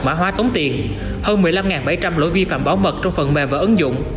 mã hóa tống tiền hơn một mươi năm bảy trăm linh lỗi vi phạm bảo mật trong phần mềm và ứng dụng